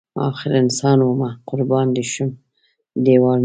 اخر انسان ومه قربان دی شم دیوال نه وم